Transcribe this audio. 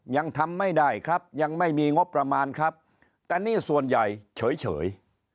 ยังทำไม่ได้ครับยังไม่มีงบประมาณครับแต่นี่ส่วนใหญ่เฉย